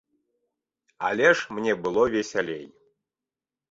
Але ж мне было весялей.